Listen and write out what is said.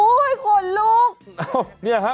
โอ้ยคนลุก